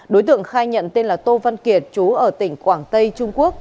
đối tượng khai nhận tên là tô văn kiệt chú ở tỉnh quảng tây trung quốc